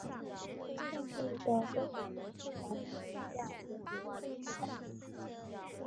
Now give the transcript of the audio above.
上述的歌曲的现场版本评价也比录音室版本好。